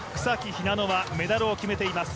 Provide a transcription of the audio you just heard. ひなのはメダルを決めています。